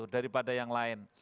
daripada yang lain